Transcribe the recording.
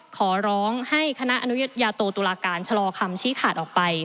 ขอร้องให้คณะอนุญาโตตุลาการชะลอคำชี้ขาดออกไป